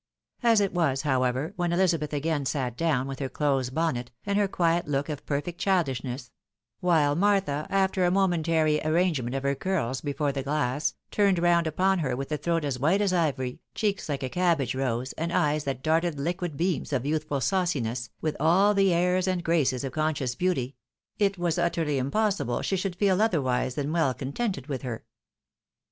As it was, however, when Elizabeth again sat down with her close bonnet, and her quiet look of perfect childishness, — while Martha, after a momentary arrangement of her carls before the glass, turned round upon her with a throat as white as ivory, cheeks like a cabbage rose, and eyes that darted hquid beams of youthful sauciness, with aU the airs and graces of conscious beauty, — it was utterly impossible she should feel otherwise than weU contented with her.